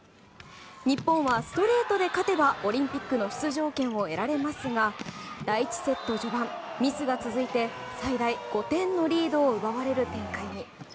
日本はストレートで勝てばオリンピックの出場権を得られますが第１セット序盤、ミスが続いて最大５点のリードを奪われる展開に。